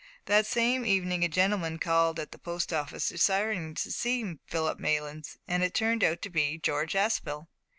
That same evening a gentleman called at the Post Office, desiring to see Philip Maylands. It turned out to be George Aspel.